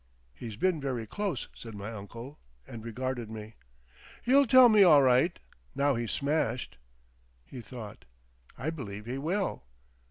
"He's been very close," said my uncle, and regarded me. "He'll tell me all right, now he's smashed." He thought. "I believe he will."